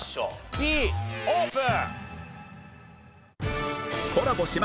Ｂオープン！